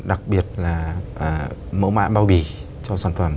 đặc biệt là mẫu mã bao bì cho sản phẩm